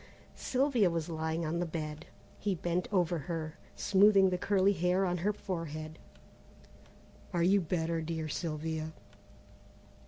Sylvia was lying on the bed. He bent over her, smoothing the curly hair on her forehead. "Are you better, dear Sylvia?"